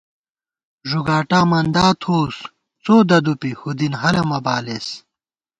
ݫُگاٹا منداتھووُس څو ددُوپی ہُودِن ہَلہ مہ بالېس